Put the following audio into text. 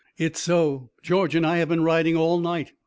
"It's so. George and I have been riding all night.